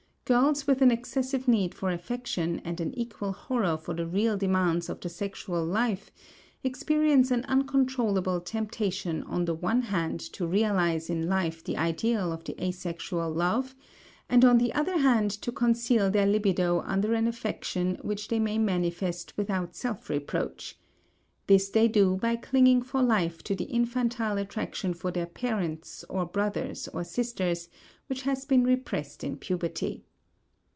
Girls with an excessive need for affection and an equal horror for the real demands of the sexual life experience an uncontrollable temptation on the one hand to realize in life the ideal of the asexual love and on the other hand to conceal their libido under an affection which they may manifest without self reproach; this they do by clinging for life to the infantile attraction for their parents or brothers or sisters which has been repressed in puberty.